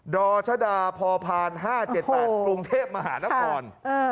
ดรชดาพ๕๗๘กรุงเทพมหานคร